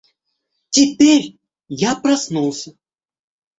Теперь я проснулся.